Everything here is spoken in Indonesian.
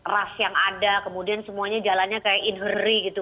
ras yang ada kemudian semuanya jalannya kayak inheri gitu